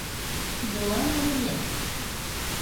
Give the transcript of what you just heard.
— Молан алимент?